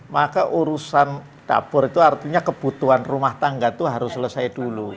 maka urusan dapur itu artinya kebutuhan rumah tangga itu harus selesai dulu